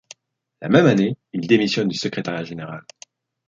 La même année, il démissionne du secrétariat général.